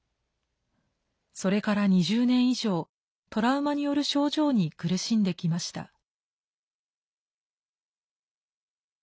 それから２０年以上トラウマによる症状に苦しんできました。